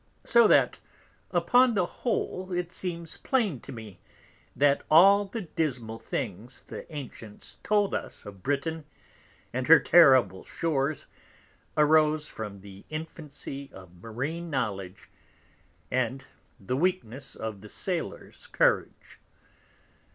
So that upon the whole it seems plain to me, that all the dismal things the Ancients told us of Britain, and her terrible Shores, arose from the Infancy of Marine Knowledge, and the Weakness of the Sailor's Courage.